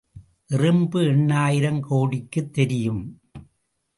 எறும்பு எண்ணாயிரம் கோடிக்கும் தெரியும்.